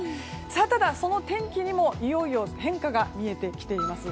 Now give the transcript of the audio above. ただ、その天気にも、いよいよ変化が見えてきています。